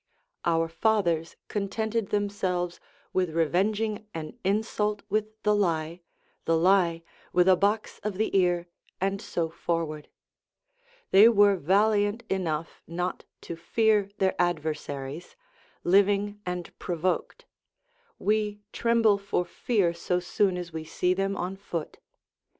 Our fathers contented themselves with revenging an insult with the lie, the lie with a box of the ear, and so forward; they were valiant enough not to fear their adversaries, living and provoked we tremble for fear so soon as we see them on foot.